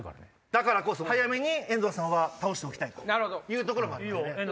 だからこそ早めに遠藤さんは倒しておきたいというところもありますね。